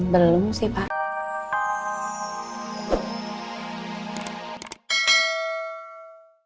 belum sih pak